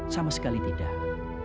sama sekali tidak